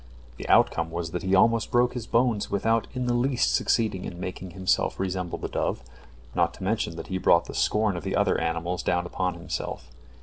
The outcome was that he almost broke his bones without in the least succeeding in making himself resemble the dove, not to mention that he brought the scorn of the other animals down upon himself.